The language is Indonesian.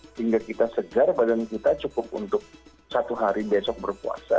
sehingga kita segar badan kita cukup untuk satu hari besok berpuasa